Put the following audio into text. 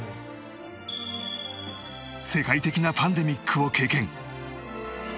世界的なパンデミックを経験